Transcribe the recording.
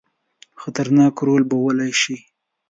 خطرناک رول لوبولای شي.